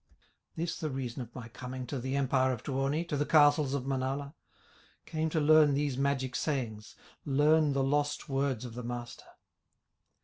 This the reason of my coming To the empire of Tuoni, To the castles of Manala: Came to learn these magic sayings, Learn the lost words of the Master."